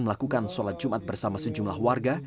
melakukan sholat jumat bersama sejumlah warga